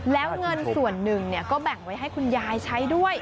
แล้วเงินส่วนหนึ่งก็แบ่งไว้ให้คุณยายใช้ด้วย